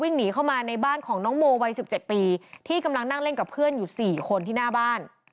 หนีเข้ามาในบ้านของน้องโมวัย๑๗ปีที่กำลังนั่งเล่นกับเพื่อนอยู่๔คนที่หน้าบ้าน